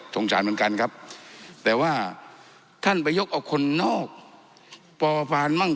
สารเหมือนกันครับแต่ว่าท่านไปยกเอาคนนอกปผ่านมั่ง